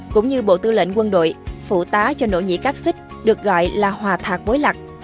cũng như bộ tư lệnh quân đội phụ tá cho nỗ nhĩ cáp xích được gọi là hòa thạc bối lạc